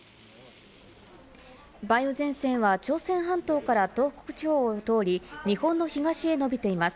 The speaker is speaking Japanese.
梅雨前線は朝鮮半島から東北地方を通り日本の東へ延びています。